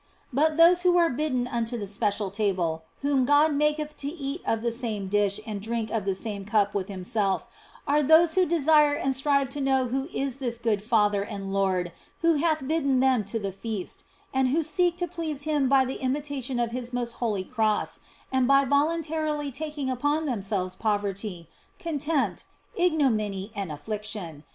But those who are bidden unto the special table, whom God maketh to eat out of the same dish and drink out of the same cup with Himself, are those who desire and strive to know who is this good Father and Lord who hath bidden them to the feast, and who seek to please Him by the imitation of His most holy Cross and by voluntarily taking upon themselves poverty, contempt, ignominy and affliction.